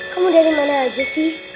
kamu dari mana aja sih